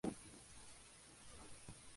Guarda gran similitud con la trompeta.